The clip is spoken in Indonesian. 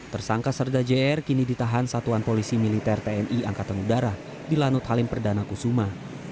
tersangka serda jr kini ditahan satuan polisi militer tni angkatan udara di lanut halim perdana kusuma